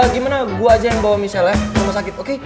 gimana gua aja yang bawa michelle ya sama sakit oke